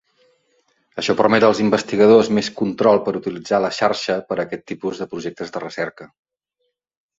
Això permet als investigadors més control per utilitzar la xarxa per a aquest tipus de projectes de recerca.